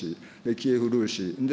キエフルーシ。